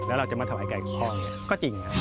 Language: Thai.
แล้วเราจะมาถวายไก่กับพ่อเนี่ยก็จริง